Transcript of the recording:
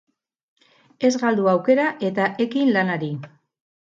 Ez galdu aukera, eta ekin lanari!